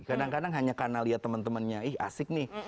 kadang kadang hanya karena lihat teman temannya ih asik nih